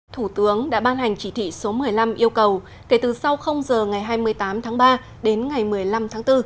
thủ tướng đã ban hành chỉ thị số một mươi năm yêu cầu kể từ sau giờ ngày hai mươi tám tháng ba đến ngày một mươi năm tháng bốn